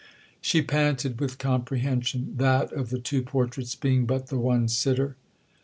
She panted with comprehension. "That of the two portraits being but the one sitter!"